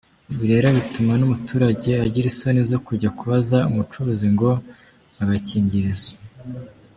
Ibi rero bituma n’umuturage agira isoni zo kujya kubaza umucuruzi ngo mpa agakingirizo.